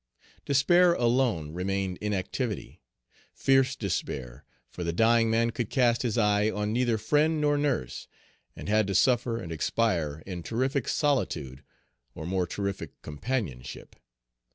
Despair alone remained in activity, fierce despair; for the dying man could cast his eye on neither friend nor nurse, and had to suffer and expire in terrific solitude or more terrific companionship.